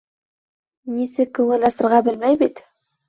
Нисек күңел асырға белмәй бит.